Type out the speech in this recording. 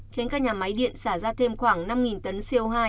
khiến các nhà máy điện xả ra thêm khoảng năm tấn co hai